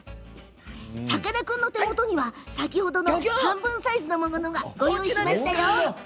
さかなクンの手元には先ほどの半分サイズのものをご用意しましたよ。